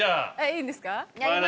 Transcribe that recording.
いいんですか。